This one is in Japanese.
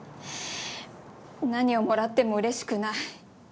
何をもらっても嬉しくない。